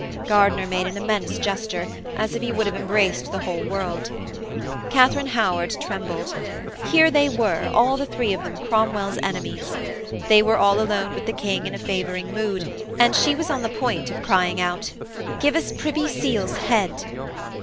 Gardiner made an immense gesture, as if he would have embraced the whole world. Katharine Howard trembled. Here they were, all the three of them Cromwell's enemies. They were all alone with the King in a favouring mood, and she was on the point of crying out: 'Give us Privy Seal's head.'